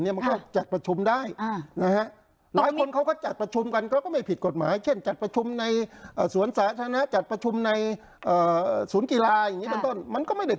เดี๋ยวตกลงติดแค่ว่าง